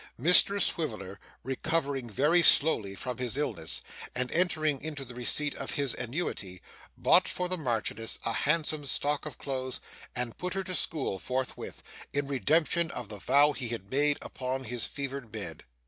Mr Swiveller, recovering very slowly from his illness, and entering into the receipt of his annuity, bought for the Marchioness a handsome stock of clothes, and put her to school forthwith, in redemption of the vow he had made upon his fevered bed.